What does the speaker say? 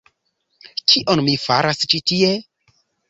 Kion mi faras ĉi tie?